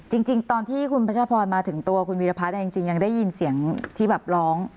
จริงจริงตอนที่คุณประชาพรมาถึงตัวคุณวิรพัฒน์เนี่ยจริงจริงยังได้ยินเสียงที่แบบร้อง